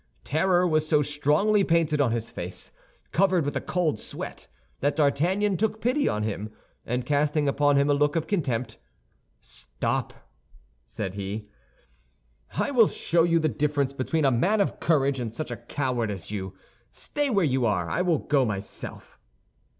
Terror was so strongly painted on his face, covered with a cold sweat, that D'Artagnan took pity on him, and casting upon him a look of contempt, "Stop," said he, "I will show you the difference between a man of courage and such a coward as you. Stay where you are; I will go myself."